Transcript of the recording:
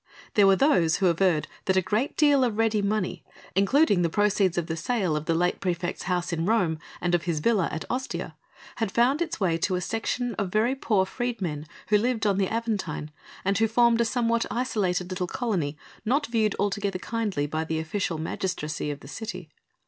There were those who averred that a great deal of ready money including the proceeds of the sale of the late praefect's house in Rome and of his villa at Ostia had found its way to a section of very poor freedmen who lived on the Aventine and who formed a somewhat isolated little colony not viewed altogether kindly by the official magistracy of the city.